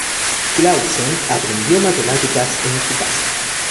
Clausen aprendió matemáticas en su casa.